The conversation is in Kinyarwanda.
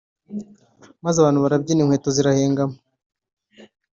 maze abantu barabyina inkweto zirahengama